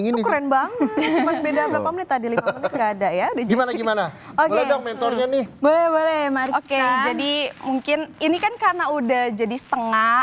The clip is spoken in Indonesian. gede banget gimana gimana oke boleh boleh oke jadi mungkin ini kan karena udah jadi setengah